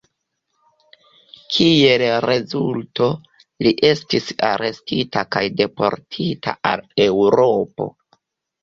Kiel rezulto, li estis arestita kaj deportita al Eŭropo.